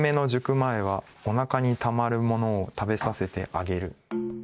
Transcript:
前はお腹にたまるものを食べさせてあげる」。